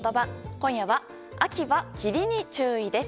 今夜は、秋は霧に注意です。